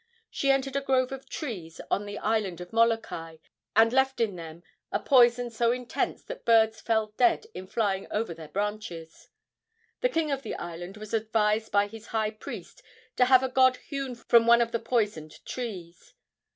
She entered a grove of trees on the island of Molokai, and left in them a poison so intense that birds fell dead in flying over their branches. The king of the island was advised by his high priest to have a god hewn from one of the poisoned trees.